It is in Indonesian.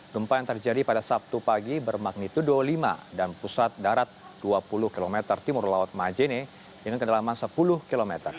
gempa yang terjadi pada sabtu pagi bermagnitudo lima dan pusat darat dua puluh km timur laut majene dengan kedalaman sepuluh km